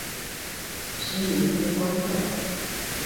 什里夫波特。